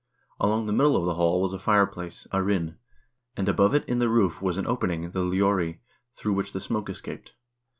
Along the middle of the hall was a fireplace, arinn, and above it in the roof was an opening, the Ijori, through which the smoke escaped.